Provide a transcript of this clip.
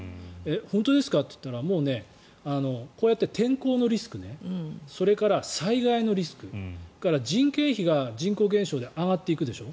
本当ですか？と言ったらもうこうやって天候のリスクそれから災害のリスクそれから人件費が人口減少で上がっていくでしょ。